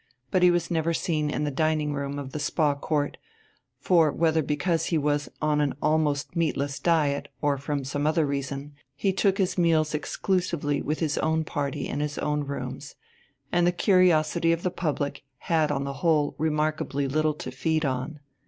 But he was never seen in the dining room of the "Spa Court," for whether because he was on an almost meatless diet, or for some other reason, he took his meals exclusively with his own party in his own rooms, and the curiosity of the public had on the whole remarkably little to feed on.